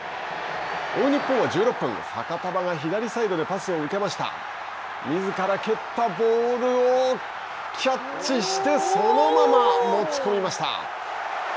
追う日本は１６分ファカタヴァが左サイドでみずから蹴ったボールをキャッチしてそのまま持ち込みました。